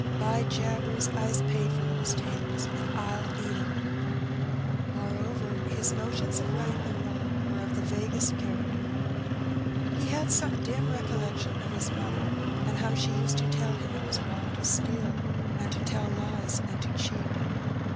By jabbers, Fs paid for those taters, and FU eat 'em.'' Moreover, his notions of right and wrong were of the vaguest 28 Her Benny. character. He had some dim recollection of his mother^ and how she used to tell him it was wrong to steal, and to tell lies, and to cheat.